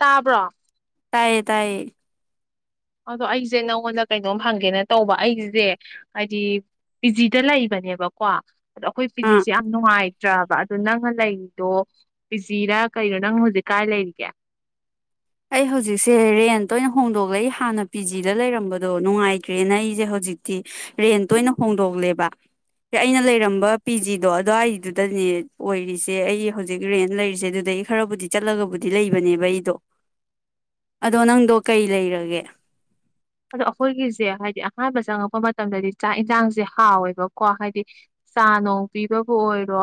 ꯇꯥꯕ꯭ꯔꯣ ꯇꯥꯏꯌꯦ ꯇꯌꯦ ꯑꯗꯣ ꯑꯩꯁꯦ ꯅꯪꯉꯣꯟꯗ ꯀꯩꯅꯣꯝ ꯐꯪꯒꯦꯅ ꯇꯧꯕ ꯑꯩꯁꯦ ꯍꯥꯏꯗꯤ ꯄꯤ ꯖꯤꯗ ꯂꯩꯕꯅꯦꯕꯀꯣ ꯑꯗꯣ ꯑꯩꯈꯣꯏ ꯑꯥ ꯐꯤꯖꯤꯠꯁꯦ ꯌꯥꯝ ꯅꯨꯡꯉꯥꯏꯇ꯭ꯔꯕ ꯑꯗꯨ ꯅꯪꯅ ꯂꯩꯔꯤꯗꯣ ꯄꯤꯖꯤꯔꯥ ꯀꯔꯣ ꯅꯪ ꯍꯧꯖꯤꯛ ꯀꯥꯏ ꯂꯩꯔꯤꯒꯦ ꯑꯩ ꯍꯧꯖꯤꯛꯁꯦ ꯔꯦꯟ ꯇꯣꯏꯅ ꯍꯣꯡꯗꯣꯛꯂꯦ ꯑꯩ ꯍꯥꯟꯅ ꯄꯤ ꯖꯤꯗ ꯂꯩꯔꯝꯕꯗꯣ ꯅꯨꯡꯉꯥꯏꯇ꯭ꯔꯦꯅ ꯑꯩꯁꯦ ꯍꯧꯖꯤꯛꯇꯤ ꯔꯦꯟ ꯇꯣꯏꯅ ꯍꯣꯡꯗꯣꯛꯂꯦꯕ ꯑꯩꯅ ꯂꯩꯔꯝꯕ ꯄꯤ ꯖꯤꯗꯣ ꯑꯗꯨꯋꯥꯏꯗꯨꯗꯅꯦ ꯑꯣꯏꯔꯤꯁꯦ ꯑꯩ ꯍꯧꯖꯤꯛ ꯔꯦꯟ ꯂꯩꯔꯤꯁꯦ ꯑꯗꯨꯗꯗꯒꯤ ꯈꯔꯕꯨꯗꯤ ꯆꯠꯂꯒꯕꯨꯗꯤ ꯂꯩꯕꯅꯦꯕ ꯑꯩꯗꯣ ꯑꯗꯣ ꯅꯪꯗꯣ ꯀꯩ ꯂꯩꯔꯒꯦ ꯑꯗꯣ ꯑꯩꯈꯣꯏꯒꯤꯁꯦ ꯍꯥꯏꯗꯤ ꯑꯍꯥꯟꯕ ꯆꯪꯉꯛꯄ ꯃꯇꯝꯗꯗꯤ ꯆꯥꯛ ꯌꯦꯟꯁꯥꯡꯁꯦ ꯍꯥꯎꯋꯦꯕꯀꯣ ꯍꯥꯏꯗꯤ ꯆꯥ ꯅꯣꯡ ꯄꯤꯕꯕꯨ ꯑꯣꯏꯔꯣ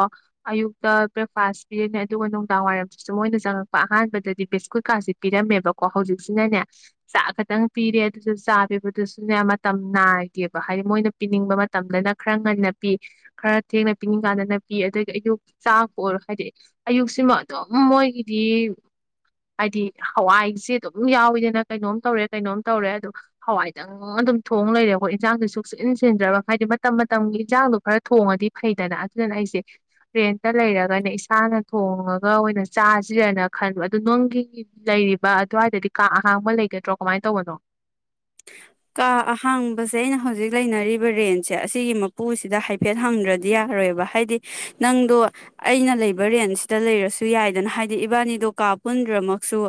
ꯑꯌꯨꯛꯇ ꯕ꯭ꯔꯦꯛꯐꯥꯁ ꯄꯤꯔꯅꯤ ꯑꯗꯨꯒ ꯅꯨꯡꯗꯥꯡꯋꯥꯏꯔꯝꯁꯤꯁꯨ ꯃꯣꯏꯅ ꯆꯪꯉꯛꯄ ꯑꯍꯥꯟꯕꯗꯗꯤ ꯕꯤꯁꯀꯨꯠꯀꯥꯁꯦ ꯄꯤꯔꯝꯃꯦꯕꯀꯣ ꯍꯧꯖꯤꯛꯁꯤꯅꯅꯦ ꯆꯥꯛ ꯈꯛꯇꯪ ꯄꯤꯔꯦ ꯑꯗꯨꯁꯨ ꯆꯥ ꯄꯤꯕꯗꯨꯁꯨꯅꯦ ꯃꯇꯝ ꯅꯥꯏꯗꯦꯕ ꯍꯥꯏꯗꯤ ꯃꯣꯏꯅ ꯄꯤꯅꯤꯡꯕ ꯃꯇꯝꯗꯅ ꯈꯔ ꯉꯟꯅ ꯄꯤ ꯈꯔ ꯊꯦꯡꯅ ꯄꯤꯅꯤꯡ ꯀꯥꯟꯗꯅ ꯄꯤ ꯑꯗꯒꯤ ꯑꯌꯨꯛ ꯆꯥꯛꯄ ꯑꯣꯏꯔꯣ ꯍꯥꯏꯗꯤ ꯑꯌꯨꯛꯁꯤꯃ ꯑꯗꯨꯝ ꯃꯣꯏꯒꯤꯗꯤ ꯍꯥꯏꯗꯤ ꯍꯋꯥꯏꯁꯦ ꯑꯗꯨꯝ ꯌꯥꯎꯋꯤꯗꯅ ꯀꯩꯅꯣꯝ ꯇꯧꯔꯦ ꯀꯩꯅꯣꯝ ꯇꯧꯔꯦ ꯑꯗꯨꯗ ꯍꯋꯥꯏꯗꯪ ꯑꯗꯨꯝ ꯊꯣꯡ ꯂꯩꯔꯦ ꯑꯩꯈꯣꯏ ꯏꯟꯖꯥꯡꯗꯨ ꯁꯨꯆꯤꯟ ꯁꯤꯟꯗ꯭ꯔꯕ ꯍꯥꯏꯗꯤ ꯃꯇꯝ ꯃꯇꯝꯒꯤ ꯏꯟꯖꯥꯡꯗꯣ ꯈꯔ ꯊꯣꯡꯉꯗꯤ ꯐꯩꯗꯅ ꯑꯗꯨꯗꯅ ꯑꯩꯁꯦ ꯔꯦꯟꯇ ꯂꯩꯔꯒꯅ ꯏꯁꯥꯅ ꯊꯣꯡꯉꯒ ꯑꯣꯏꯅ ꯆꯥꯁꯤꯔꯅ ꯈꯟꯕ ꯑꯗꯨ ꯅꯪꯒꯤ ꯂꯩꯔꯤꯕ ꯑꯗꯨꯋꯥꯏꯗꯗꯤ ꯀꯥꯛ ꯑꯍꯥꯡꯕ ꯂꯩꯒꯗ꯭ꯔꯣ ꯀꯃꯥꯏꯅ ꯇꯧꯕꯅꯣ ꯀꯥ ꯑꯍꯥꯡꯕꯁꯦ ꯑꯩꯅ ꯍꯧꯖꯤꯛ ꯂꯩꯅꯔꯤꯕ ꯔꯦꯟꯁꯦ ꯑꯁꯤꯒꯤ ꯃꯄꯨꯁꯤꯗ ꯍꯥꯏꯐꯦꯠ ꯍꯪꯗ꯭ꯔꯗꯤ ꯌꯥꯔꯣꯏꯕ ꯍꯥꯏꯗꯤ ꯅꯪꯗꯣ ꯑꯩꯅ ꯂꯩꯕ ꯔꯦꯟꯁꯤꯗ ꯂꯩꯔꯁꯨ ꯌꯥꯏꯗꯅ ꯍꯥꯏꯗꯤ ꯏꯕꯥꯅꯤꯗꯣ ꯀꯥ ꯄꯨꯟꯗ꯭ꯔꯃꯛꯁꯨ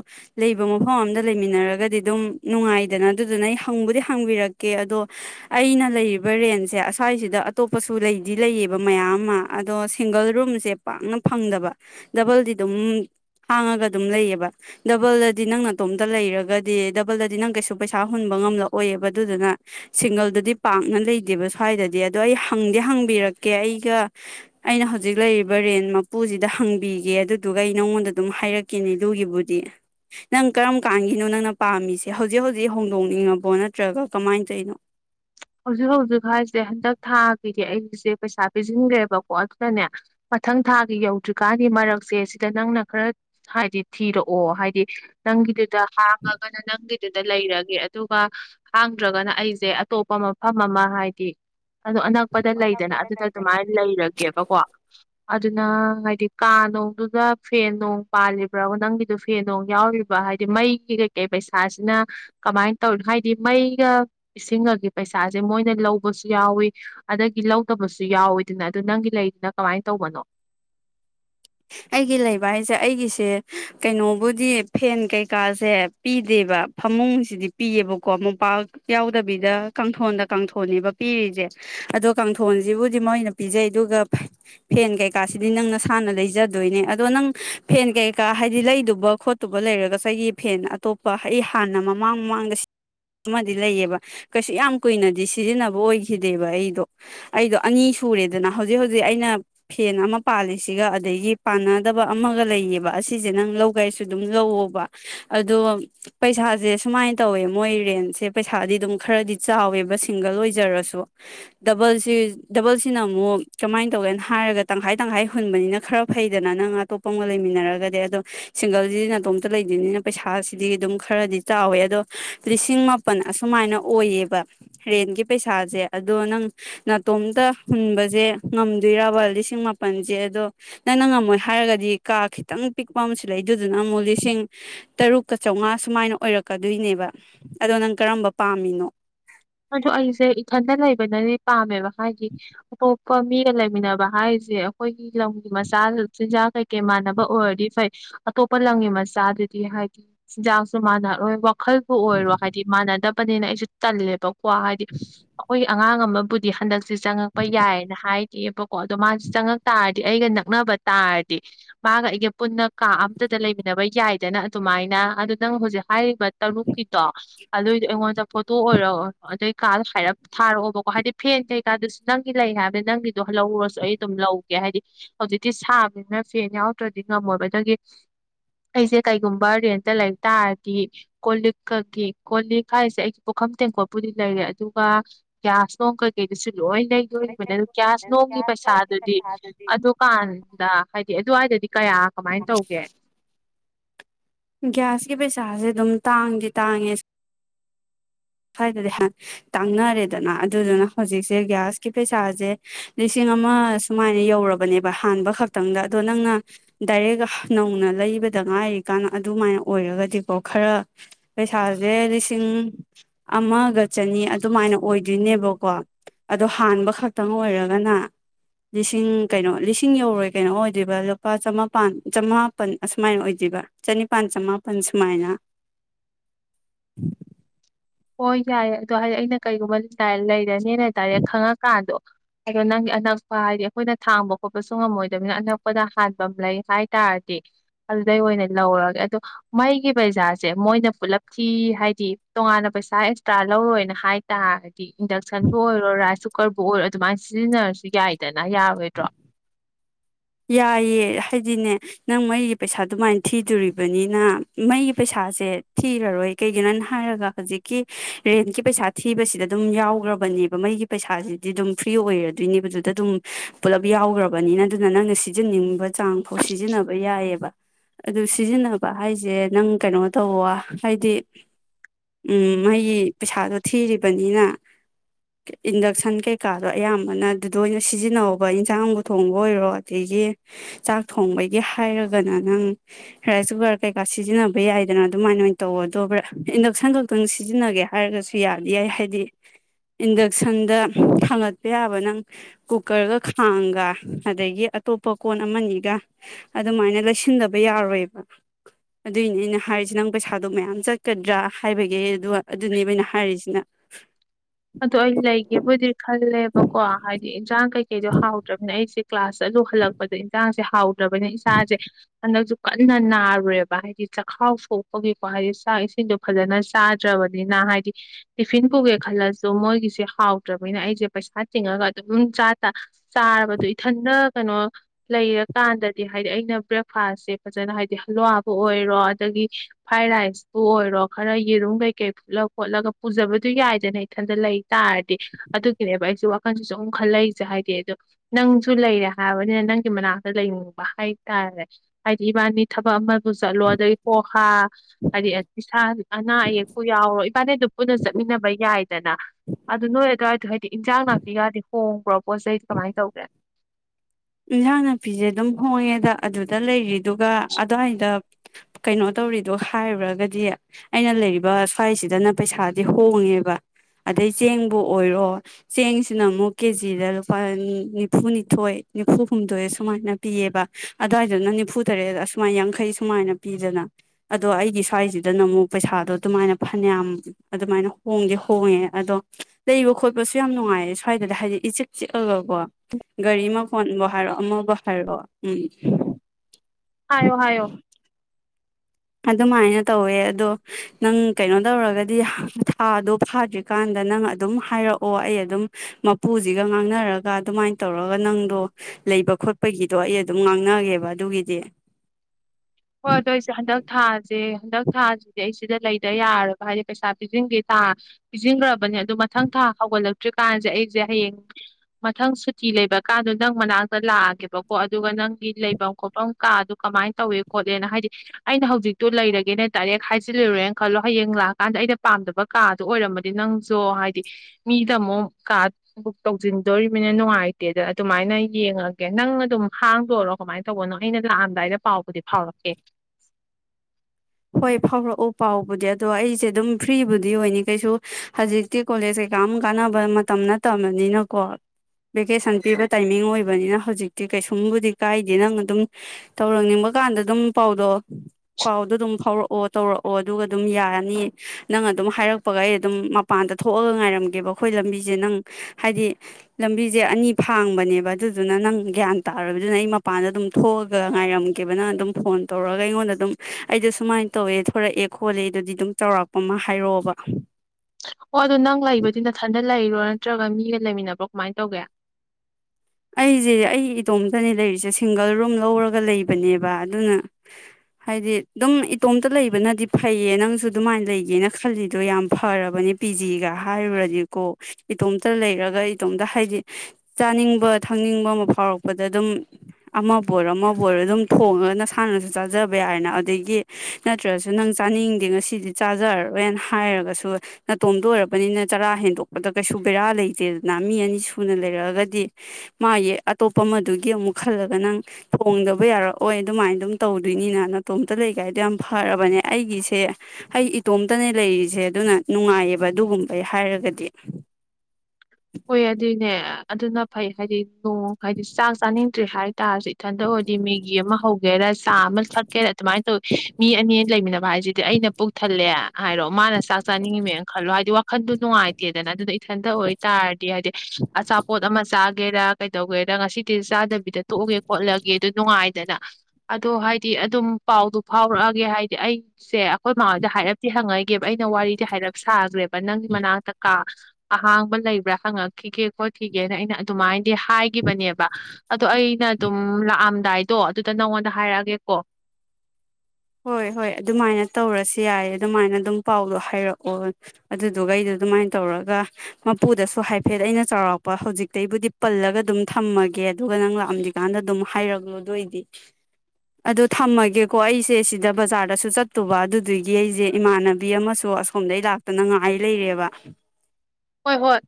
ꯂꯩꯕ ꯃꯐꯝ ꯑꯝꯗ ꯂꯩꯃꯤꯟꯅꯔꯒꯗꯤ ꯑꯗꯨꯝ ꯅꯨꯡꯉꯥꯏꯗꯅ ꯑꯗꯨꯗꯨꯅ ꯑꯩ ꯪꯕꯨꯗꯤ ꯍꯥꯡꯕꯤꯔꯛꯀꯦ ꯑꯗꯣ ꯑꯩꯅ ꯂꯩꯔꯤꯕ ꯔꯦꯟꯁꯦ ꯑꯁ꯭ꯋꯥꯏꯁꯤꯗ ꯑꯇꯣꯞꯄꯁꯨ ꯂꯩꯗꯤ ꯂꯩꯌꯦꯕ ꯃꯌꯥꯝ ꯑꯃ ꯑꯗꯣ ꯁꯤꯡꯒꯜ ꯔꯨꯝꯁꯦ ꯄꯥꯛꯅ ꯐꯪꯗꯕ ꯗꯕꯜꯗꯤ ꯑꯗꯨꯝ ꯍꯥꯡꯉꯒ ꯑꯗꯨꯝ ꯂꯩꯌꯦꯕ ꯗꯕꯜꯗꯗꯤ ꯅꯪ ꯑꯇꯣꯝꯇ ꯂꯩꯔꯒꯗꯤ ꯗꯕꯜꯗꯗꯤ ꯅꯪ ꯀꯩꯁꯨ ꯄꯩꯁꯥ ꯍꯨꯟꯕ ꯉꯝꯂꯛꯑꯣꯏꯑꯕ ꯑꯗꯨꯗꯨꯅ ꯁꯤꯡꯒꯜꯗꯨꯗꯤ ꯄꯥꯛꯅ ꯂꯩꯇꯦꯕ ꯁ꯭ꯋꯥꯏꯗꯗꯤ ꯑꯗꯣ ꯑꯩ ꯍꯪꯗꯤꯦ ꯍꯪꯕꯤꯔꯛꯀꯦ ꯑꯩꯒ ꯑꯩꯅ ꯍꯧꯖꯤꯛ ꯂꯩꯔꯤꯕ ꯔꯦꯟ ꯃꯄꯨꯁꯤꯗ ꯍꯪꯕꯤꯒꯦ ꯑꯗꯨꯗꯨꯒ ꯑꯩ ꯅꯪꯉꯣꯟꯗ ꯑꯗꯨꯝ ꯍꯥꯏꯔꯛꯀꯦꯅꯦꯂꯨꯒꯤꯕꯨꯗꯤ ꯅꯪ ꯀꯔꯝ ꯀꯥꯟꯒꯤꯅꯣ ꯅꯪꯅ ꯄꯥꯝꯃꯤꯁꯦ ꯍꯧꯖꯤꯛ ꯍꯧꯖꯤꯛ ꯅꯣꯡꯅꯤꯡꯉꯕ꯭ꯔꯣ ꯅꯠꯇ꯭ꯔꯒ ꯀꯃꯥꯏꯅ ꯇꯅꯣ ꯍꯧꯖꯤꯛ ꯍꯧꯖꯤꯛ ꯍꯥꯏꯁꯦ ꯍꯟꯗꯛ ꯊꯥꯒꯤꯗꯤ ꯑꯩꯒꯤꯁꯦ ꯄꯩꯁꯥ ꯄꯤꯁꯤꯟꯈ꯭ꯔꯦꯕꯀꯣ ꯑꯗꯨꯅꯅꯦ ꯃꯊꯪ ꯊꯥꯒꯤ ꯌꯧꯗ꯭ꯔꯤꯀꯥꯟꯒꯤ ꯃꯔꯛꯁꯦ ꯁꯤꯗ ꯅꯪꯅ ꯈꯔ ꯍꯥꯏꯗꯤ ꯊꯤꯔꯛꯑꯣ ꯍꯥꯏꯗꯤ ꯅꯪꯒꯤꯗꯨꯗ ꯍꯒ ꯅꯪꯪ ꯑꯗꯨꯗ ꯂꯩꯔꯒꯦ ꯑꯗꯨꯒ ꯍꯥꯡꯗ꯭ꯔꯒꯅ ꯑꯩꯁꯦ ꯑꯇꯣꯞꯄ ꯑꯄ ꯃꯐꯝ ꯑꯃ ꯍꯥꯏꯗꯤ ꯑꯗꯣ ꯑꯅꯛꯄꯗ ꯂꯩꯗꯅ ꯑꯗꯨꯗ ꯑꯗꯨꯃꯥꯏꯅ ꯂꯩꯔꯒꯦꯕꯀꯣ ꯑꯗꯨꯅ ꯍꯥꯏꯗꯤ ꯀꯥ ꯅꯅꯨꯡꯗꯨꯗ ꯐꯦꯟ ꯅꯣꯡ ꯄꯥꯜꯂꯤꯕ꯭ꯔꯥ ꯅꯪꯒꯤꯗꯨ ꯐꯦꯟ ꯅꯅꯨꯡ ꯌꯥꯎꯔꯤꯕ꯭ꯔꯥ ꯍꯥꯏꯗꯤ ꯃꯩꯒꯤ ꯀꯩꯀꯩ ꯄꯩꯁꯥꯁꯤꯅ ꯀꯃꯥꯏꯅ ꯇꯧꯔꯤꯣ ꯍꯥꯏꯗꯤ ꯃꯩꯒ ꯏꯁꯤꯡꯉꯈꯤꯕ ꯄꯩꯁꯥꯁꯦ ꯃꯣꯏꯅ ꯂꯧꯕꯁꯨ ꯌꯥꯎꯏꯤ ꯑꯗꯒꯤ ꯂꯧꯗꯕꯁꯨ ꯌꯥꯎꯋꯤꯗꯨꯅ ꯑꯗꯨ ꯅꯪꯒꯤ ꯂꯩꯗꯨꯅ ꯀꯃꯥꯏꯅ ꯇꯧꯕꯅꯣ ꯑꯩꯒꯤ ꯂꯩꯕ ꯍꯥꯏꯁꯦ ꯑꯩꯒꯤꯁꯦ ꯀꯩꯅꯣꯕꯨꯗꯤ ꯐꯦꯟ ꯀꯩꯀꯥꯁꯦ ꯄꯤꯗꯦꯕ ꯐꯃꯨꯡꯁꯤꯗꯤ ꯄꯤꯌꯦꯕꯀꯣ ꯃꯣꯄꯥꯛ ꯌꯥꯎꯗꯕꯤꯗ ꯀꯥꯡꯊꯣꯟꯗ ꯀꯥꯡꯊꯣꯟꯅꯦꯕ ꯄꯤꯔꯤꯁꯦ ꯑꯗꯣ ꯀꯥꯡꯊꯣꯟꯁꯤꯕꯨꯗꯤ ꯃꯣꯏꯅ ꯄꯤꯖꯩ ꯑꯗꯨꯒ ꯐꯦꯟ ꯀꯩꯀꯥꯁꯤꯗꯤ ꯅꯪꯅ ꯁꯥꯟꯅ ꯂꯩ ꯄꯖꯗꯣꯏꯅꯦ ꯑꯗꯣ ꯅꯪ ꯐꯦꯟ ꯀꯩꯀꯥ ꯍꯥꯏꯗꯤ ꯂꯩꯗꯨꯕ ꯈꯣꯠꯇꯨꯕ ꯂꯩꯔꯒꯁꯒꯤ ꯐꯦꯟ ꯑꯇꯣꯞꯄ ꯑꯩ ꯍꯥꯟꯅ ꯃꯃꯥꯡ ꯃꯃꯥꯡꯗ ꯑꯃꯗꯤ ꯂꯩꯌꯦꯕ ꯀꯩꯁꯨ ꯌꯥꯝ ꯀꯨꯏꯅꯗꯤ ꯁꯤꯖꯤꯟꯅꯕ ꯑꯣꯏꯈꯤꯗꯦꯕ ꯑꯩꯗꯣ ꯑꯩꯗꯣ ꯑꯅꯤ ꯁꯨꯔꯦꯗꯅ ꯍꯧꯖꯤꯛ ꯍꯧꯖꯤꯛ ꯑꯩꯅ ꯐꯦꯟ ꯑꯃ ꯄꯥꯜꯂꯤꯁꯤꯒ ꯑꯗꯒꯤ ꯄꯥꯟꯅꯗꯕ ꯑꯃꯒ ꯂꯩꯌꯦꯕ ꯑꯁꯤꯁꯦ ꯅꯪ ꯂꯧꯒꯥꯏꯁꯨ ꯑꯗꯨꯝ ꯂꯧꯑꯣꯣꯕ ꯑꯗꯣ ꯄꯩꯁꯥꯁꯦ ꯁꯨꯃꯥꯏꯅ ꯇꯧꯋꯦ ꯃꯣꯏ ꯔꯦꯟꯁꯦ ꯄꯩꯁꯥꯗꯤ ꯑꯗꯨꯝ ꯈꯔꯗꯤ ꯆꯥꯎꯋꯦꯕ ꯁꯤꯡꯒꯜ ꯑꯣꯏꯖꯔꯁꯨ ꯗꯕꯜꯁꯤ ꯗꯕꯜꯁꯤꯅ ꯑꯃꯨꯛ ꯀꯃꯥꯏꯅ ꯇꯧꯒꯦꯅ ꯍꯥꯏꯔꯒ ꯇꯪꯈꯥꯏ ꯇꯪꯈꯥꯏ ꯍꯨꯟꯕꯅꯤꯅ ꯈꯔ ꯐꯩꯗꯅ ꯅꯪ ꯑꯇꯣꯞꯄ ꯑꯃꯒ ꯂꯩꯃꯤꯟꯅꯔꯒꯗꯤ ꯑꯗꯣ ꯁꯤꯡꯒꯜꯁꯤꯗꯤ ꯅꯥꯇꯣꯝꯇ ꯂꯩꯗꯣꯏꯅꯤꯅ ꯄꯩꯁꯥꯁꯤꯗꯤ ꯑꯗꯨꯝ ꯈꯔꯗꯤ ꯆꯥꯎꯋꯦ ꯑꯗꯣ ꯂꯤꯁꯤꯡ ꯃꯥꯄꯜ ꯑꯁꯨꯃꯥꯏꯅ ꯑꯣꯏꯌꯦꯕ ꯔꯦꯟꯒꯤ ꯄꯩꯁꯥꯁꯦ ꯑꯗꯣ ꯅꯪ ꯅꯥꯇꯣꯝꯇ ꯍꯨꯟꯕꯁꯦ ꯉꯝꯗꯣꯏꯔꯕ ꯂꯤꯁꯤꯡ ꯃꯥꯄꯜꯁꯦ ꯑꯗꯣ ꯅꯪꯅ ꯉꯝꯃꯣꯏ ꯍꯥꯏꯔꯒꯗꯤ ꯀꯥ ꯈꯤꯇꯪ ꯄꯤꯛꯄ ꯑꯃꯁꯨ ꯂꯩꯗꯨꯗꯨꯅ ꯑꯃꯨꯛ ꯂꯤꯁꯤꯡ ꯇꯔꯨꯛꯀ ꯆꯥꯝꯃꯉꯥ ꯁꯨꯃꯥꯏꯅ ꯑꯣꯏꯔꯛꯀꯗꯣꯏꯅꯦꯕ ꯑꯗꯣ ꯅꯪ ꯀꯔꯝꯕ ꯄꯥꯝꯃꯤꯅꯣ ꯑꯗ ꯑꯩꯁꯦ ꯏꯊꯟꯗ ꯂꯩꯕꯅꯗꯤ ꯄꯥꯝꯃꯦꯕ ꯍꯥꯏꯦ ꯃꯤꯒ ꯂꯩꯃꯤꯟꯅꯕ ꯍꯥꯏꯔꯤꯁꯦ ꯑꯩꯈꯣꯏꯒꯤ ꯂꯝꯒꯤ ꯃꯆꯥ ꯆꯤꯟꯖꯥꯛ ꯀꯩ ꯀꯩ ꯃꯥꯟꯅꯕ ꯑꯣꯏꯔꯗꯤ ꯐꯩ ꯑꯇꯣꯞꯄ ꯂꯝꯒꯤ ꯃꯆꯥꯗꯨꯗꯤ ꯍꯥꯏꯗꯤ ꯆꯤꯟꯖꯥꯛꯁꯨ ꯃꯥꯟꯅ ꯂꯣꯏ ꯃꯈꯜꯕꯨ ꯑꯣꯏꯔꯣ ꯍꯥꯏꯗꯤ ꯃꯥꯅꯗ ꯂꯄꯅꯤꯅ ꯑꯩꯁꯨ ꯇꯜꯂꯦꯕꯀ ꯀꯣ ꯍꯥꯏꯗꯤ ꯑꯩꯈꯣꯏ ꯑꯉꯥꯡ ꯑꯃꯕꯨꯗꯤ ꯍꯟꯗꯛ ꯁꯤ ꯆꯪꯉꯛꯄ ꯌꯥꯏꯑꯅ ꯍꯥꯏ ꯀꯣ ꯑꯣ ꯑꯗ ꯃꯥꯁꯤ ꯆꯪꯉꯛ ꯇꯥꯔꯗꯤ ꯑꯩꯒ ꯅꯛꯅꯕ ꯇꯥꯔꯗꯤ ꯃꯥꯒ ꯑꯩꯒ ꯄꯨꯟꯅ ꯀꯥ ꯑꯝꯇꯗ ꯂꯩꯃꯤꯟꯅꯕ ꯌꯥꯏꯗꯅ ꯑꯗꯨꯃꯥꯏꯅ ꯑꯗꯨ ꯅꯪ ꯍꯧꯖꯤꯛ ꯍꯥꯏꯔꯤꯕ ꯇꯔꯨꯛꯀꯤꯗꯣ ꯑꯗꯨꯏꯗꯣ ꯑꯩꯉꯣꯟꯗ ꯐꯣꯇꯣ ꯑꯣꯏꯔꯛ ꯑꯣ ꯑꯗꯨꯩ ꯀꯀꯥꯗꯣ ꯍꯥꯏꯔꯞ ꯊꯥꯔꯛꯑꯣꯕꯀꯣ ꯍꯥꯏꯗꯤ ꯐꯦꯟ ꯀꯩꯀꯥꯗꯨꯁꯨ ꯅꯪꯒꯤ ꯂꯩ ꯍꯥꯏꯕꯗꯤ ꯅꯪꯒꯤ ꯑꯗꯣ ꯍꯜꯂꯧꯔꯁꯨ ꯑꯩ ꯑꯗꯨꯝ ꯂꯧ ꯍꯥꯏꯗꯤ ꯍꯧꯖꯤꯛꯇꯤ ꯁꯥꯕꯅꯤꯅ ꯐꯦꯟ ꯌꯥꯎꯗ꯭ꯔꯗꯤ ꯉꯝꯃꯣꯏꯕ ꯑꯗꯒꯤ ꯑꯩꯁꯦ ꯀꯩꯒꯨꯝꯕ ꯔꯦꯟꯇ ꯂꯩ ꯇꯥꯔꯗꯤ ꯀꯣꯜ ꯂꯤꯛꯀꯒꯤ ꯀꯣꯜ ꯂꯤꯛ ꯍꯥꯏꯁꯦ ꯑꯩꯒꯤ ꯄꯨꯈꯝ ꯇꯦꯡꯀꯣꯛꯄ ꯕꯨꯗꯤ ꯂꯩꯔꯦ ꯑꯗꯨꯒ ꯒ꯭ꯌꯥꯁꯇꯣꯡ ꯀꯩꯀꯩꯗꯁꯨ ꯂꯣꯏ ꯂꯩꯗꯣꯔꯤꯕꯅꯤ ꯑꯗꯨ ꯀ꯭ꯌꯥꯁ ꯅꯣꯡꯒꯤ ꯄꯩꯁꯥꯗꯨꯗꯤ ꯑꯗꯨꯀꯥꯟꯗ ꯍꯥꯏꯗꯤ ꯑꯗꯨꯋꯥꯏꯗꯗꯤ ꯀꯌꯥ ꯀꯃꯥꯏꯅ ꯇꯧꯒꯦ ꯒꯌꯥꯁꯀꯤ ꯄꯩꯁꯥꯁꯦ ꯑꯗꯨꯝ ꯇꯥꯡꯗꯤ ꯇꯥꯡꯉꯦ ꯁ꯭ꯋꯥꯏꯗꯗꯤ ꯇꯥꯡꯅꯔꯦꯗꯅ ꯑꯗꯨꯗꯨꯅ ꯍꯧꯖꯤꯛꯁꯦ ꯒ꯭ꯌꯥꯁꯀꯤ ꯄꯩꯁꯥꯁꯦ ꯂꯤꯁꯤꯡ ꯑꯃ ꯁꯨꯃꯥꯏꯅ ꯌꯧꯔꯕꯅꯦꯕ ꯍꯥꯟꯕ ꯈꯛꯇꯪꯗ ꯑꯗꯣ ꯅꯪꯅ ꯗꯥꯏꯔꯦꯛ ꯅꯧꯅ ꯂꯩꯕꯗ ꯉꯥꯏꯔꯤꯀꯥꯟꯅ ꯑꯗꯨꯃꯥꯏꯅ ꯑꯣꯏꯔꯒꯗꯤꯀꯣ ꯈꯔ ꯄꯩꯁꯥꯁꯦ ꯂꯤꯁꯤꯡ ꯑꯃꯒ ꯆꯅꯤ ꯑꯗꯨꯃꯥꯏꯅ ꯑꯣꯏꯗꯣꯏꯅꯦꯕꯀꯣ ꯑꯗꯣ ꯍꯥꯟꯕ ꯈꯛꯇꯪ ꯑꯣꯏꯔꯒꯅ ꯂꯤꯁꯤꯡ ꯀꯩꯅꯣ ꯂꯤꯁꯤꯡ ꯌꯧꯔꯣꯏ ꯀꯩꯅꯣ ꯑꯣꯏꯗꯣꯏꯕ ꯂꯨꯄꯥ ꯆꯃꯥꯄꯜ ꯆꯃꯥꯄꯜ ꯑꯁꯨꯃꯥꯏꯅ ꯑꯣꯏꯗꯣꯏꯕ ꯆꯅꯤꯄꯥꯜ ꯆꯃꯥꯄꯜ ꯁꯨꯃꯥꯏꯅ ꯍꯣꯏ ꯌꯥꯏꯦ ꯑꯗꯣ ꯍꯥꯏꯗꯤ ꯑꯩꯅ ꯀꯩꯒꯨꯝꯕ ꯁꯇꯥꯏꯜ ꯂꯩꯔꯅꯤ ꯅ ꯍꯥꯏꯇꯥꯔꯦ ꯈꯪꯉꯛꯀꯥꯟꯗꯣ ꯑꯗꯣ ꯅꯪꯒꯤ ꯑꯅꯛꯄ ꯍꯥꯏꯗꯤ ꯑꯩꯈꯣꯏꯅ ꯊꯥꯡꯕ ꯈꯣꯠꯄꯁꯨ ꯉꯝꯃꯣꯏꯗꯕꯅꯤꯅ ꯑꯅꯛꯄꯗ ꯍꯥꯟꯕ ꯑꯃ ꯂꯩ ꯍꯥꯏ ꯇꯥꯔꯗꯤ ꯑꯗꯨꯗꯩ ꯑꯣꯏꯅ ꯂꯧꯔꯒꯦ ꯑꯗꯣ ꯃꯩꯒꯤ ꯕꯖꯥꯔꯁꯦ ꯃꯣꯏꯅ ꯄꯨꯂꯞ ꯊꯤ ꯍꯥꯏꯗꯤ ꯇꯣꯉꯥꯟꯅ ꯄꯩꯁꯥ ꯑꯦꯛꯁꯇ꯭ꯔꯥ ꯂꯧꯅ ꯍꯥꯏꯇꯥꯔꯒꯗꯤ ꯏꯟꯗꯛꯁꯟꯕꯨ ꯑꯣꯏꯔꯣ ꯔ ꯀꯔꯕꯨ ꯑꯣꯏꯔꯣ ꯑꯗꯨꯃꯥꯏꯅ ꯁꯤꯖꯤꯟꯅꯔꯁꯨ ꯌꯥꯏꯗꯅ ꯌꯥꯔꯣꯏꯗ꯭ꯔꯣ ꯌꯥꯏꯌꯦꯦ ꯍꯥꯏꯗꯤꯅꯦ ꯅꯪ ꯃꯩꯒꯤ ꯄꯩꯁꯥ ꯑꯗꯨꯃꯥꯏꯅ ꯊꯤꯗꯣꯔꯤꯕꯅꯤꯅ ꯃꯩꯒꯤ ꯄꯩꯁꯥꯁꯦ ꯊꯤꯔꯔꯣꯏ ꯀꯩꯒꯤꯅꯣꯅ ꯍꯥꯏꯔꯒ ꯍꯧꯖꯤꯛꯀꯤ ꯔꯦꯟꯀꯤ ꯄꯩꯁꯥ ꯊꯤꯕꯁꯤꯗ ꯑꯗꯨꯝ ꯌꯥꯎꯈ꯭ꯔꯕꯅꯦꯕ ꯃꯩꯒꯤ ꯄꯩꯁꯥꯁꯤꯗꯤ ꯑꯗꯨꯝ ꯐ꯭ꯔꯤ ꯑꯣꯏꯔꯗꯣꯏꯅꯦꯕ ꯑꯗꯨꯗ ꯑꯗꯨꯝ ꯄꯨꯂꯞ ꯌꯥꯎꯈ꯭ꯔꯕꯅꯤꯅ ꯑꯗꯨꯅ ꯅꯪꯅ ꯁꯤꯖꯤꯟꯅꯅꯤꯡꯕ ꯆꯥꯡ ꯐꯥꯎ ꯁꯤꯖꯤꯟꯅꯕ ꯌꯥꯏꯑꯕ ꯑꯗꯨ ꯁꯤꯖꯤꯟꯅꯕ ꯍꯥꯏꯁꯦ ꯅꯪ ꯀꯩꯅꯣ ꯇꯧꯋ ꯍꯥꯏꯗꯤ ꯃꯩꯒꯤ ꯄꯩꯁꯥꯗꯣ ꯊꯤꯔꯤꯕꯅꯤꯅ ꯏꯟꯗꯛꯁꯟ ꯀꯩꯀꯥꯗꯣ ꯑꯌꯥꯝꯕꯅ ꯑꯗꯨꯗ ꯑꯣꯏꯅ ꯁꯤꯖꯤꯟꯅꯧꯕ ꯏꯟꯁꯥꯡꯕꯨ ꯊꯣꯡꯕ ꯑꯣꯏꯔꯣ ꯑꯗꯒꯤ ꯆꯥꯛ ꯊꯣꯡꯕꯒꯤ ꯍꯥꯏꯔꯒꯅ ꯅꯪ ꯔꯥꯏꯁ ꯀꯨꯀꯔ ꯀꯩꯀꯥ ꯁꯤꯖꯤꯟꯅꯕ ꯌꯥꯏꯗꯅ ꯑꯗꯨꯃꯥꯏꯅ ꯑꯣꯏꯅ ꯇꯧꯒꯗꯧꯕ꯭ꯔꯥ ꯏꯟꯗꯛꯁꯟ ꯈꯛꯇꯪ ꯁꯤꯖꯤꯟꯅꯒꯦ ꯍꯥꯏꯔꯒꯁꯨ ꯌꯥꯗꯤ ꯌꯥꯏ ꯍꯥꯏꯗꯤ ꯏꯟꯗꯛꯁꯟꯗ ꯊꯥꯡꯒꯠꯄ ꯌꯥꯕ ꯅꯪ ꯀꯨꯀꯔꯒ ꯈꯥꯡꯒ ꯑꯗꯒꯤ ꯑꯇꯣꯞꯄ ꯀꯣꯟ ꯑꯃꯅꯤꯒ ꯑꯗꯨꯃꯥꯏꯅ ꯂꯩꯁꯤꯟꯗꯕ ꯌꯥꯔꯣꯏꯕ ꯑꯗꯨꯏꯅꯦ ꯑꯩꯅ ꯍꯥꯏꯔꯤꯁꯤ ꯅꯪ ꯄꯩꯁꯥꯗꯣ ꯃꯌꯥꯝ ꯆꯠꯀꯗ꯭ꯔꯥ ꯍꯥꯏꯕꯒꯤ ꯑꯗꯨꯒ ꯑꯗꯨꯅꯦꯕꯅ ꯍꯥꯏꯔꯤꯁꯤꯅ ꯑꯗꯨꯗꯣ ꯑꯩ ꯂꯩꯒꯦꯕꯨꯗꯤ ꯈꯜꯂꯦꯕꯀꯣ ꯍꯥꯏꯗꯤ ꯏꯟꯁꯥꯡ ꯀꯩꯀꯩꯗꯣ ꯍꯥꯎꯗ꯭ꯔꯕꯅꯦ ꯑꯩꯁꯦ ꯀ꯭ꯂꯥꯁ ꯑꯗꯨ ꯍꯜꯂꯛꯄꯗ ꯏꯟꯗꯥꯟꯁ ꯍꯥꯎ ꯁꯥꯖꯦ ꯍꯟꯗꯛꯁꯨ ꯀꯟꯅ ꯅꯥꯔꯨꯔꯦꯕ ꯍꯥꯏꯗꯤ ꯆꯈꯥꯎ ꯁꯣꯛꯄꯒꯤꯀꯣ ꯍꯥꯏꯗꯤ ꯆꯥꯛ ꯏꯁꯤꯡꯗꯣ ꯐꯖꯅ ꯆꯥꯗ꯭ꯔꯕꯅꯤꯅ ꯍꯥꯏꯗꯤ ꯇꯤꯐꯤꯟ ꯄꯨꯒꯦ ꯈꯜꯂ ꯑꯗꯣ ꯃꯣꯏꯒꯤꯁꯦ ꯍꯥꯎꯗ꯭ꯔꯕꯅꯤꯅ ꯑꯩꯁꯦ ꯄꯩꯁꯥ ꯇꯤꯡꯉꯒ ꯑꯗꯨꯝ ꯆꯥ ꯆꯥꯔꯕꯗꯣ ꯏꯊꯟꯗ ꯀꯩꯅꯣ ꯂꯩꯔꯀꯥꯟꯗꯗꯤ ꯍꯥꯏꯗꯤ ꯑꯩꯅ ꯕ꯭ꯔꯦꯛꯐꯥꯁꯁꯦ ꯐꯖꯅ ꯍꯥꯏꯗꯤ ꯍꯜꯨꯋꯥꯕꯨ ꯑꯣꯏꯔꯣ ꯑꯗꯒꯤ ꯐ꯭ꯔꯥꯏ ꯔꯥꯏꯁꯄꯨ ꯑꯣꯏꯔꯣ ꯈꯔ ꯌꯦꯔꯨꯝ ꯀꯩꯀꯩ ꯐꯨꯠꯂ ꯈꯣꯠꯂꯒ ꯄꯨꯖꯕꯗꯨ ꯌꯥꯏꯗꯅ ꯏꯊꯟꯗ ꯂꯩ ꯇꯥꯔꯗꯤ ꯑꯗꯨꯒꯤꯅꯦꯕ ꯑꯩꯁꯨ ꯋꯥꯈꯜꯁꯨꯁꯨ ꯑꯃꯨꯛ ꯈꯜ ꯂꯩꯛꯁꯦ ꯍꯥꯏꯗꯤ ꯑꯗꯨꯗ ꯅꯪꯁꯨ ꯂꯩꯔꯦ ꯍꯥꯏꯔꯕꯅꯤꯅ ꯅꯪꯒꯤ ꯃꯅꯥꯛꯇ ꯂꯩꯅꯤꯡꯕ ꯍꯥꯏꯇꯥꯔꯦ ꯍꯥꯏꯗꯤ ꯏꯕꯥꯅꯤ ꯊꯕꯛ ꯑꯃꯕꯨ ꯆꯠꯂꯣ ꯑꯗꯒꯤ ꯍꯣ ꯍꯥ ꯍꯥꯏꯗꯤ ꯏꯁꯥ ꯑꯅꯥ ꯑꯌꯦꯛꯄꯨ ꯌꯥꯎꯔꯣꯏ ꯀꯥꯟꯅꯦꯩꯗꯨ ꯄꯨꯟꯅ ꯆꯠꯃꯤꯟꯅꯕ ꯌꯥꯏ ꯗꯅ ꯑꯗꯨ ꯅꯣꯏ ꯑꯗꯨꯋꯥꯏꯗꯣ ꯍꯥꯏꯗꯤ ꯏꯟꯁꯥꯡ ꯅꯥꯄꯤꯒꯔꯗꯤ ꯍꯣꯡꯕ꯭ꯔꯣ ꯄꯣꯠ ꯆꯩ ꯀꯃꯥꯏꯅ ꯇꯧꯒꯦ ꯏꯟꯁꯥꯡ ꯅꯥꯄꯤꯁꯦ ꯑꯗꯨꯝ ꯍꯣꯡꯉꯦꯗ ꯑꯗꯨꯗ ꯂꯩꯔꯤ ꯑꯗꯨꯒ ꯑꯗꯨꯋꯥꯏꯗ ꯀꯩꯅꯣ ꯇꯧꯔꯤꯗꯣ ꯍꯥꯏꯔꯨꯔꯒꯗꯤ ꯑꯩꯅ ꯂꯩꯔꯤꯕ ꯁ꯭ꯋꯥꯏꯁꯤꯗꯅ ꯄꯩꯁꯥꯗꯤ ꯍꯣꯡꯉꯦꯕ ꯑꯗꯩ ꯆꯦꯡꯕꯨ ꯑꯣꯏꯔꯣ ꯆꯦꯡꯁꯤꯅ ꯑꯃꯨꯛ ꯀꯦꯖꯤꯗ ꯂꯨꯄꯥ ꯅꯤꯐꯨꯅꯤꯊꯣꯏ ꯅꯤꯐꯨ ꯍꯨꯝꯗꯣꯏ ꯁꯨꯃꯥꯏꯅ ꯄꯤꯑꯕ ꯑꯗꯨꯋꯥꯏꯗꯨꯅ ꯅꯤꯐꯨ ꯇꯔꯦꯠ ꯑꯁꯨꯃꯥꯏ ꯌꯥꯡꯈꯩ ꯁꯨꯃꯥꯏꯅ ꯄꯤꯗꯅ ꯑꯗꯣ ꯑꯩꯒꯤ ꯁ꯭ꯋꯥꯏꯁꯤꯗꯅ ꯑꯃꯨꯛ ꯄꯩꯁꯥꯗꯣ ꯑꯗꯨꯃꯥꯏꯅ ꯐꯅꯌꯥꯝ ꯑꯗꯨꯃꯥꯏꯅ ꯍꯣꯡꯗꯤꯦ ꯍꯣꯡꯉꯦ ꯑꯗꯣ ꯂꯩꯕ ꯈꯣꯠꯄꯁꯨ ꯌꯥꯝ ꯅꯨꯡꯉꯥꯏꯌꯦ ꯁ꯭ꯋꯥꯏꯗꯗꯤ ꯍꯥꯏꯗꯤ ꯏꯆꯤꯛ ꯆꯤꯛꯑꯒꯀꯣ ꯒꯥꯔꯤ ꯐꯣꯟꯕꯍꯔꯣ ꯃꯣꯏ ꯕꯍꯔꯣ ꯎꯝ ꯍꯥꯏꯣ ꯍꯥꯏꯣ ꯑꯗꯨꯃꯥꯏꯅ ꯇꯧꯋꯦ ꯑꯗꯣ ꯅꯪ ꯀꯩꯅꯣ ꯇꯧꯔꯒꯗꯤ ꯊꯥꯗꯣ ꯐꯥꯗ꯭ꯔꯤꯀꯥꯟꯗ ꯅꯪ ꯑꯗꯨꯝ ꯍꯥꯏꯔꯛꯑꯣ ꯑꯩ ꯑꯗꯨꯝ ꯃꯄꯨꯁꯤꯒ ꯉꯥꯡꯅꯔꯒ ꯑꯗꯨꯃꯥꯏꯅ ꯇꯧꯔꯒ ꯅꯪꯗꯣ ꯂꯩꯕ ꯈꯣꯠꯄꯒꯤꯗꯣ ꯑꯩ ꯑꯗꯨꯝ ꯉꯥꯡꯅꯒꯦꯕ ꯑꯗꯨꯒꯤꯗꯤ ꯍꯣꯏ ꯑꯗꯨꯣꯏꯁꯦ ꯍꯟꯗꯛ ꯊꯥꯦ ꯁꯦ ꯍꯟꯗꯛ ꯊꯥꯁꯤꯗꯤ ꯑꯩ ꯁꯤꯗ ꯂꯩꯗ ꯌꯥꯔꯕ ꯍꯥꯏꯗꯤ ꯄꯩꯁꯥ ꯄꯤꯁꯤꯟꯒꯦ ꯊꯥ ꯄꯤꯁꯤꯟꯈ꯭ꯔꯕꯅꯦ ꯑꯗꯨ ꯃꯊꯪ ꯊꯥ ꯍꯧꯒꯠꯂꯛ ꯆꯠꯇ꯭ꯔꯤꯀꯥꯟꯁꯦ ꯑꯩꯁꯦ ꯍꯌꯦꯡ ꯃꯊꯪ ꯁꯨꯇꯤ ꯂꯩꯕꯀꯥꯟꯗꯣ ꯅꯪ ꯃꯅꯥꯛꯇ ꯂꯥꯛꯑꯒꯦꯕꯀꯣ ꯑꯗꯨꯒ ꯅꯪꯒꯤ ꯂꯩꯐꯝ ꯈꯣꯠꯐꯝ ꯀꯥꯗ ꯀꯃꯥꯏꯅ ꯇꯧꯋꯤ ꯈꯣꯠꯂꯦꯅ ꯍꯥꯏꯗꯤ ꯑꯩꯅ ꯍꯧꯖꯤꯛꯇꯨ ꯂꯩꯔꯒꯦꯅ ꯗꯥꯏꯔꯦꯛ ꯍꯥꯏꯖꯤꯜꯂꯨꯔꯦꯅ ꯈꯜꯂꯣ ꯍꯌꯦꯡ ꯂꯥꯛꯑꯀꯥꯟꯗ ꯑꯩꯅ ꯄꯥꯝꯗꯕ ꯀꯥꯗꯣ ꯑꯣꯏꯔꯝꯃꯗꯤ ꯅꯪꯁꯨ ꯍꯥꯏꯗꯤ ꯃꯤꯗ ꯑꯃꯨꯛ ꯀꯥ ꯕꯨꯛ ꯇꯧꯁꯤꯟꯗꯣꯔꯤꯕꯃꯤꯅ ꯅꯨꯡꯉꯥꯏꯇꯦꯗ ꯑꯗꯨꯃꯥꯏꯅ ꯌꯦꯡꯉꯒꯦ ꯅꯪ ꯑꯗꯨꯝ ꯍꯥꯡꯗꯔꯣ ꯀꯃꯥꯏꯅ ꯇꯧꯕꯅꯣ ꯑꯩꯅ ꯂꯥꯛꯑꯝꯗꯥꯏꯗ ꯄꯥꯎꯕꯨꯗꯤ ꯍꯥꯎꯀꯦ ꯍꯣꯏ ꯐꯥꯎꯔꯛꯎ ꯄꯥꯎꯕꯨꯗꯤ ꯑꯗꯣ ꯑꯩꯁꯦ ꯑꯗꯨꯝ ꯐ꯭ꯔꯤꯕꯨꯗꯤ ꯑꯣꯏꯅꯤ ꯀꯩꯁꯨ ꯍꯧꯖꯤꯛꯇꯤ ꯀꯣꯂꯦꯖ ꯀꯩꯀꯥꯝ ꯀꯥꯟꯅꯕ ꯃꯇꯝ ꯅꯠꯇꯕꯕꯅꯤꯅꯀꯣ ꯚꯦꯀꯦꯁꯟ ꯄꯤꯕ ꯇꯥꯏꯃꯤꯡ ꯑꯣꯏꯕꯅꯤꯅ ꯍꯧꯖꯤꯛꯇꯤ ꯀꯩꯁꯨꯝꯕꯨꯗꯤ ꯀꯥꯏꯗꯦ ꯅꯪ ꯑꯗꯨꯝ ꯇꯧꯔꯛꯅꯤꯡꯕ ꯀꯥꯟꯗ ꯑꯗꯨꯝ ꯄꯥꯎꯗꯣ ꯄꯥꯎꯗꯣ ꯑꯗꯨꯝ ꯐꯥꯎ ꯍꯧꯔꯛꯑꯣ ꯇꯧꯔꯛꯑꯣ ꯑꯗꯨꯒ ꯑꯗꯨꯝ ꯌꯥꯔꯅꯤ ꯅꯪ ꯑꯗꯨꯝ ꯍꯥꯏꯔꯛꯄꯒ ꯑꯩ ꯑꯗꯨꯝ ꯃꯄꯥꯟꯗ ꯊꯣꯛꯑꯒ ꯉꯥꯏꯔꯝꯒꯦꯕ ꯑꯩꯈꯣꯏ ꯂꯝꯕꯤꯁꯦ ꯅꯪ ꯍꯥꯏꯗꯤ ꯂꯝꯕꯤꯁꯦ ꯑꯅꯤ ꯐꯥꯡꯕꯅꯦꯕ ꯑꯗꯨꯗꯨꯅ ꯅꯪ ꯒ꯭ꯌꯥꯟ ꯇꯥꯔꯕꯗꯨꯅ ꯑꯩ ꯃꯄꯥꯟꯗ ꯑꯗꯨꯝ ꯊꯣꯛꯑꯒ ꯉꯥꯏꯔꯝꯒꯦꯕ ꯅꯪ ꯑꯗꯨꯝ ꯐꯣꯟ ꯇꯧꯔꯒ ꯑꯩꯉꯣꯟꯗ ꯑꯗꯨꯝ ꯑꯩꯗ ꯁꯨꯃꯥꯏꯅ ꯇꯧꯋꯦ ꯊꯣꯔꯛꯑꯦ ꯈꯣꯠꯂꯦ ꯑꯗꯨꯗꯤ ꯑꯗꯨꯝ ꯆꯥꯎꯧꯔꯥꯛꯄ ꯑꯃ ꯍꯥꯏꯔꯛꯑꯣꯕ ꯑꯣ ꯑꯗꯨꯣ ꯅꯪ ꯂꯩꯕꯗꯤ ꯅꯊꯟꯗ ꯂꯩꯔ ꯣ ꯅꯠꯇ꯭ꯔꯒ ꯃꯤꯒ ꯂꯩꯃꯤꯟꯅꯕ꯭ꯔꯣ ꯀꯃꯥꯏꯅ ꯇꯧꯒꯦ ꯑꯩꯁꯦ ꯑꯩ ꯏꯇꯣꯝꯇꯅꯦ ꯂꯩꯔꯤꯁꯦ ꯁꯤꯡꯒꯜ ꯔꯨꯝ ꯂꯧꯔꯒ ꯂꯩꯕꯅꯦꯕ ꯑꯗꯨꯅ ꯍꯥꯏꯗꯤ ꯑꯗꯨꯝ ꯏꯇꯣꯝꯇ ꯂꯩꯕꯅꯗꯤ ꯐꯩꯌꯦ ꯅꯪꯁꯨ ꯑꯗꯨꯃꯥꯏꯅ ꯂꯩꯒꯦꯅ ꯈꯜꯂꯤꯗꯣ ꯌꯥꯝ ꯐꯔꯕꯅꯦ ꯄꯤ ꯖꯤꯒ ꯍꯥꯏꯔꯨꯔꯗꯤꯀꯣ ꯏꯇꯣꯝꯇ ꯂꯩꯔꯒ ꯏꯇꯣꯝꯇ ꯍꯥꯏꯗꯤ ꯆꯥꯅꯤꯡꯕ ꯊꯪꯅꯤꯡꯕ ꯑꯃ ꯐꯥꯎꯔꯛꯄꯗ ꯑꯗꯨꯝ ꯑꯃꯕꯨ ꯑꯣꯏꯔꯣ ꯑꯃꯕꯨ ꯑꯣꯏꯔꯣ ꯑꯗꯨꯝ ꯊꯣꯡꯉꯒ ꯅꯁꯥꯅꯁꯨ ꯆꯥꯖꯕ ꯌꯥꯏꯅ ꯑꯗꯒꯤ ꯅꯠꯇ꯭ꯔꯁꯨ ꯅꯪ ꯆꯥꯅꯤꯡꯗꯦ ꯉꯁꯤꯗꯤ ꯆꯥꯖꯔꯔꯣꯏꯅ ꯍꯥꯏꯔꯒꯁꯨ ꯅꯥꯇꯣꯝꯇ ꯑꯣꯏꯔꯕꯅꯤꯅ ꯆꯔꯥ ꯍꯦꯟꯗꯣꯛꯄꯗ ꯀꯩꯁꯨ ꯕꯦꯔꯥ ꯂꯩꯇꯦꯗꯅ ꯃꯤ ꯑꯅꯤ ꯁꯨꯅ ꯂꯩꯔꯛꯑꯒꯗꯤ ꯃꯥꯒꯤ ꯑꯇꯣꯞꯄ ꯑꯃꯗꯨꯒꯤ ꯑꯃꯨꯛ ꯈꯜꯂꯒ ꯅꯪ ꯊꯣꯡꯗꯕ ꯌꯥꯔꯛꯑꯣꯏ ꯑꯗꯨꯃꯥꯏꯅ ꯑꯗꯨꯝ ꯇꯧꯗꯣꯏꯅꯤꯅ ꯅꯅꯥꯇꯣꯝꯇ ꯂꯩ ꯀꯥꯏꯗꯣ ꯌꯥꯝ ꯐꯔꯕꯅꯦ ꯑꯩꯒꯤꯁꯦ ꯑꯩ ꯏꯇꯣꯝꯇꯅꯦ ꯂꯩꯔꯤꯁꯦ ꯑꯗꯨꯅ ꯅꯨꯡꯉꯥꯏꯌꯦꯕ ꯑꯗꯨꯒꯨꯝꯕꯩ ꯍꯥꯏꯔꯒꯗꯤ ꯍꯣꯏ ꯑꯗꯨꯏꯅꯦ ꯑꯗꯨꯅ ꯐꯩ ꯍꯥꯏꯗꯤ ꯅꯣꯡ ꯍꯥꯏꯗꯤ ꯆꯥꯛ ꯆꯥꯅꯤꯡꯗ꯭ꯔꯦ ꯍꯥꯏ ꯇꯥꯔꯁꯤꯦ ꯏꯊꯟꯇ ꯑꯣꯏꯔꯗꯤ ꯃꯤꯒꯤ ꯑꯃ ꯍꯧꯒꯦꯔꯥ ꯆꯥ ꯑꯃ ꯊꯛꯀꯦꯔꯥ ꯑꯗꯨꯃꯥꯏꯅ ꯇꯧꯋꯤ ꯃꯤ ꯑꯅꯤ ꯂꯩꯃꯤꯟꯅꯕ ꯍꯥꯏꯁꯤꯗꯤ ꯑꯩꯅ ꯄꯨꯛ ꯊꯜꯂꯦ ꯍꯥꯏꯔꯣ ꯃꯥꯅ ꯆꯥꯛ ꯆꯥꯅꯤꯡꯉꯤꯃꯦꯅ ꯈꯜꯂꯣ ꯍꯥꯏꯗꯤ ꯈꯟꯗ ꯅꯨꯡꯉꯥꯏꯇꯦꯗꯅ ꯑꯗꯨꯗ ꯊꯗ ꯑꯣꯏꯣꯏ ꯇꯥꯔꯗꯤ ꯍꯥꯏꯗꯤ ꯑꯆꯥꯄꯣꯠ ꯑꯃ ꯆ ꯒꯦꯔ ꯀꯩꯗꯧꯒꯦꯔ ꯉꯁꯤꯗꯤ ꯆꯥꯗ ꯕꯤꯗ ꯇꯣꯛꯑꯒꯦ ꯈꯣꯠꯂꯒꯦ ꯑꯗꯨ ꯅꯨꯡꯉꯥꯏ ꯗꯅ ꯑꯗꯣ ꯍꯥꯏꯗꯤ ꯑꯗꯨꯝ ꯄꯥꯎꯗꯨ ꯐꯥꯎꯔꯛꯑꯒꯦ ꯍꯥꯏꯗꯤ ꯑꯩꯁꯦ ꯑꯩꯈꯣꯏꯃꯥꯍꯣꯏꯗ ꯍꯥꯏꯔꯞꯗꯤ ꯍꯪꯉꯛꯒꯦꯕ ꯑꯩꯅ ꯋꯥꯔꯤꯗꯤ ꯍꯥꯏꯔꯞ ꯁꯥꯒ꯭ꯔꯦꯕ ꯗ ꯅꯪꯒꯤ ꯃꯅꯥꯛꯇ ꯀꯥ ꯑꯍꯥꯡꯕ ꯂꯩꯕ꯭ꯔꯥ ꯍꯪꯉꯛꯈꯤꯒꯦ ꯈꯣꯠꯈꯤꯒꯦꯅ ꯑꯩꯅ ꯑꯗꯨꯃꯥꯏꯟ ꯗꯤ ꯍꯥꯏꯒꯤꯕꯅꯦꯕ ꯑꯗꯣ ꯑꯩꯅ ꯑꯗꯨꯝ ꯂꯥꯛꯑꯝꯗꯥꯏꯗꯣ ꯑꯗꯨꯗ ꯅꯪꯉꯣꯟꯗ ꯍꯥꯏꯔꯛꯑꯒꯦꯀꯣ ꯍꯣꯏ ꯍꯣꯏ ꯑꯗꯨꯃꯥꯏꯅ ꯇꯧꯔꯁꯤ ꯌꯥꯏ ꯑꯗꯨꯃꯥꯏꯅ ꯑꯗꯨꯝ ꯄꯥꯎꯗꯣ ꯍꯥꯏꯔꯛꯑꯣ ꯑꯗꯨꯗꯨꯒ ꯑꯩꯗꯣ ꯑꯗꯨꯃꯥꯏꯅ ꯇꯧꯔꯒ ꯃꯄꯨꯗꯁꯨ ꯍꯥꯏꯐꯦꯠ ꯑꯩꯅ ꯆꯥꯎꯔꯥꯛꯄ ꯍꯧꯖꯤꯛꯇꯩꯕꯨꯗꯤ ꯄꯜꯂꯒ ꯑꯗꯨꯝ ꯊꯝꯃꯒꯦ ꯑꯗꯨꯒ ꯅꯪ ꯂꯥꯛꯑꯝꯗꯤꯀꯥꯟꯗ ꯑꯗꯨꯝ ꯍꯥꯏꯔꯛꯂꯣ ꯑꯗꯣꯏꯗꯤ ꯑꯗꯨ ꯊꯝꯃꯒꯦꯀꯣ ꯑꯩꯁ ꯁꯦ ꯁꯤꯗ ꯕꯖꯥꯔꯗꯁꯨ ꯆꯠꯇꯨꯕ ꯑꯗꯨꯗꯨꯒꯤ ꯑꯩꯁꯦ ꯏꯃꯥꯟꯅꯕꯤ ꯑꯃꯁꯨ ꯑꯁꯣꯝꯗꯩ ꯂꯥꯛꯇꯅ ꯉꯥꯏ ꯂꯩꯔꯦꯕ ꯍꯣꯏ ꯍꯣꯏ